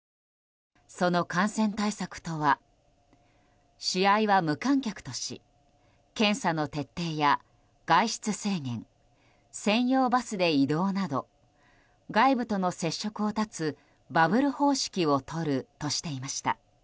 その感染対策とは試合は無観客とし検査の徹底や外出制限専用バスで移動など外部との接触を断つバブル方式をとるとしていました。